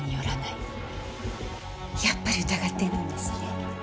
やっぱり疑っているんですね。